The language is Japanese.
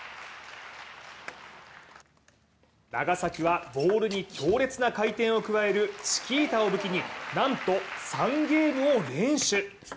長崎はボールに強烈な回転を加えるチキータを武器になんと、３ゲームを連取。